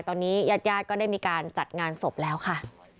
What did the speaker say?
ตอนนี้ยาดยาดก็ได้มีการจัดงานสบแล้วค่ะ